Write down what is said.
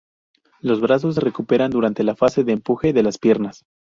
Los brazos se recuperan durante la fase de empuje de las piernas.